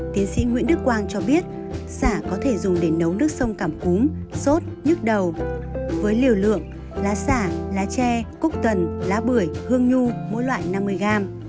tiến sĩ nguyễn đức quang cho biết xả có thể dùng để nấu nước sông cảm cúm sốt nhức đầu với liều lượng lá xả lá tre cúc tần lá bưởi hương nhu mỗi loại năm mươi gram